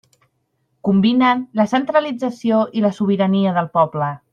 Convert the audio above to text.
Combinen la centralització i la sobirania del poble.